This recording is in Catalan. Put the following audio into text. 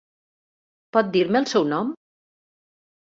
Pot dir-me el seu nom.